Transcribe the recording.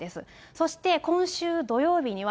そして今週土曜日には、